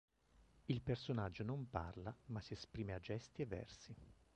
Il personaggio non parla, ma si esprime a gesti e versi.